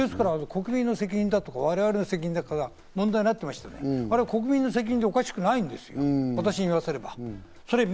ですから国民の責任だとか、我々の責任だとか、問題になってましたけど、国民の責任でおかしくないんです、私に言わせれば。